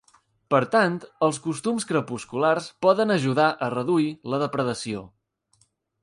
Per tant, els costums crepusculars poden ajudar a reduir la depredació.